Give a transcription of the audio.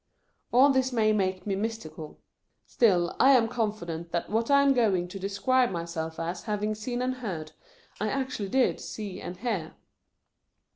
All this may make me mystical. Still, I am confident that what I am going to describe myself as having seen and heard, I actually did see and hear.